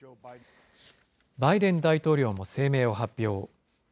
バイデン大統領も声明を発表。